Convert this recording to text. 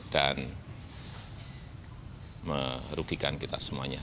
dan merugikan kita semuanya